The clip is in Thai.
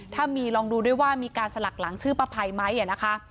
ถ้ามีลองดูด้วยว่ามีการสลักหลังชื่อป้าภัยไหมนะคะ